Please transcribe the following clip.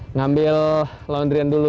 ngambil laundry an dulu